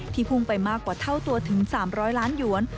พุ่งไปมากกว่าเท่าตัวถึง๓๐๐ล้านหยวน